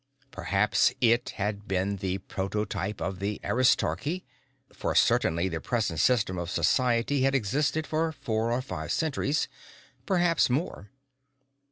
Perhaps it had been the prototype of the Aristarchy, for certainly the present system of society had existed for four or five centuries perhaps more.